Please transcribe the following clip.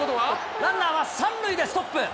ランナーは３塁でストップ。